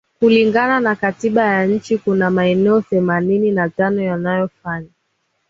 Kulingana na katiba ya nchi kuna maeneo themanini na tano yanayofanya